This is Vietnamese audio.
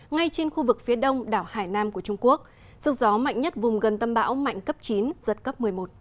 ngay trên khu vực phía đông đảo hải nam của trung quốc sức gió mạnh nhất vùng gần tâm bão mạnh cấp chín giật cấp một mươi một